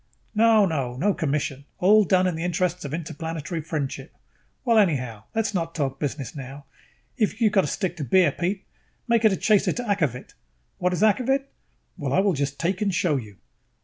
"No, no, no commission, all done in the interest of interplanetary friendship ... well, anyhow, let's not talk business now. If you have got to stick to beer, Pete, make it a chaser to akvavit. What is akvavit? Well, I will just take and show you."